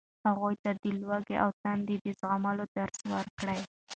هغوی ته د لوږې او تندې د زغملو درس ورکړئ.